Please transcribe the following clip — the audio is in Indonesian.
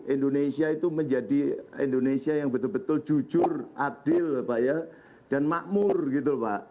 indonesia itu menjadi indonesia yang betul betul jujur adil dan makmur gitu pak